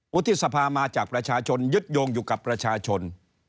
วุฒิสภามาจากประชาชนยึดโยงอยู่กับประชาชน